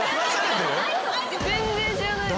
全然知らないです。